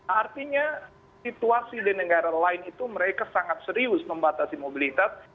artinya situasi di negara lain itu mereka sangat serius membatasi mobilitas